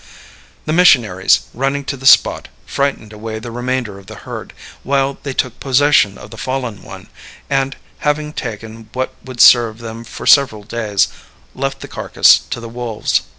The missionaries, running to the spot, frightened away the remainder of the herd, while they took possession of the fallen one, and, having taken what would serve them for several days, left the carcass to the wolves.